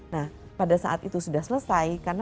nah pada saat itu sudah selesai karena